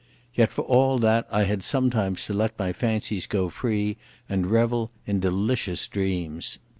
Yet for all that I had sometimes to let my fancies go free, and revel in delicious dreams.